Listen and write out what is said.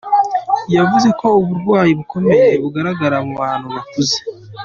Yavuze ko uburwayi bukomeye bugaragara mu bantu bakuze.